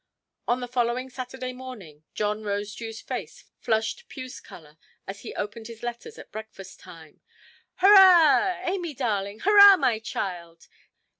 On the following Saturday morning, John Rosedewʼs face flushed puce–colour as he opened his letters at breakfast–time. "Hurrah! Amy, darling; hurrah, my child!